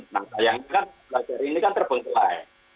nah sayangnya kan pembelajar ini kan terbengkelai